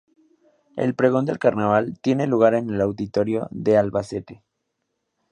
El Pregón del Carnaval tiene lugar en el Auditorio de Albacete.